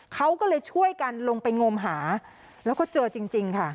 เขาก็เลยช่วยกันลงไปงมหาแล้วก็เจอจริงค่ะ